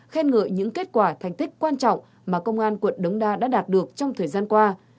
khen ngợi những kết quả thành tích quan trọng mà công an quận đống đa đã đạt được trong thời gian qua